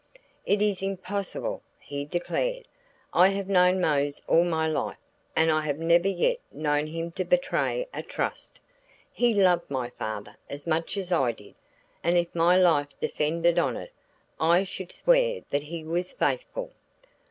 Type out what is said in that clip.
"It is impossible," he declared. "I have known Mose all my life, and I have never yet known him to betray a trust. He loved my father as much as I did, and if my life depended on it, I should swear that he was faithful."